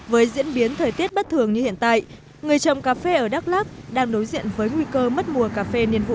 với diễn biến thời tiết bất thường như hiện tại người trồng cà phê ở đắk lắc đang đối diện với nguy cơ mất mùa cà phê niên vụ hai nghìn một mươi bảy hai nghìn một mươi bảy